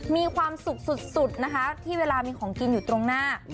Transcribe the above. มีความสุขสุดนะคะที่เวลามีของกินอยู่ตรงหน้า